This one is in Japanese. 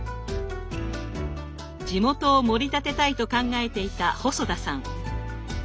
地元をもり立てたいと考えていた細田さん。